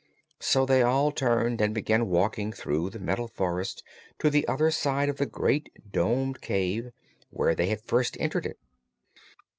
So they all turned and began walking through the Metal Forest to the other side of the great domed cave, where they had first entered it.